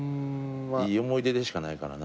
いい思い出でしかないからな。